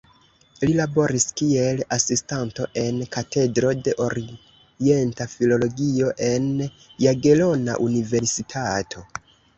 Li laboris kiel asistanto en Katedro de Orienta Filologio en Jagelona Universitato.